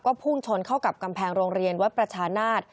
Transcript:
พุ่งชนเข้ากับกำแพงโรงเรียนวัดประชานาศ